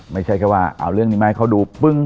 ไม่ใช่แค่ว่าเอาเรื่องนี้มาให้เขาดูปึ้ง